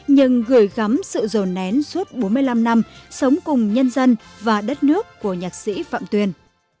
nhưng gửi gắm sự rồn nén suốt bốn mươi năm năm sống cùng nhân dân và đất nước của nhạc sĩ phạm tuyên